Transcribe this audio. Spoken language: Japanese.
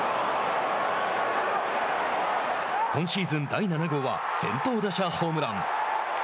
今シーズン第７号は先頭打者ホームラン。